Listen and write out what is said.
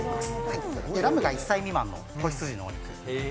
ラムが１歳未満の子羊のお肉。